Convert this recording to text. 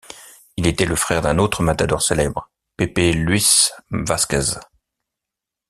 Il était le frère d’un autre matador célèbre, Pepe Luis Vázquez.